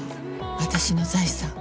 私の財産